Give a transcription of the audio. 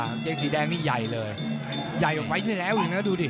กางเกงสีแดงนี่ใหญ่เลยใหญ่ออกไปได้แล้วอีกนะดูดิ